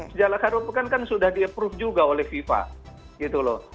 sejalankan kan sudah di approve juga oleh fifa gitu loh